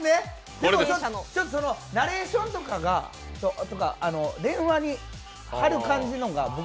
ナレーションとか、電話に貼る感じのが僕、